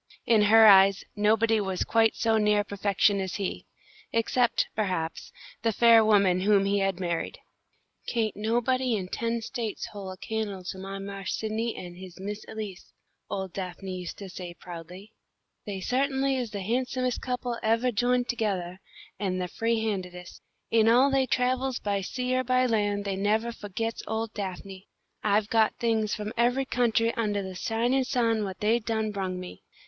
In her eyes, nobody was quite so near perfection as he, except, perhaps, the fair woman whom he had married. "Kain't nobody in ten States hole a can'le to my Marse Sidney an' his Miss Elise," old Daphne used to say, proudly. "They sut'n'ly is the handsomest couple evah jined togethah, an' the free handedest. In all they travels by sea or by land they nevah fo'gits ole Daphne. I've got things from every country undah the shinin' sun what they done brung me."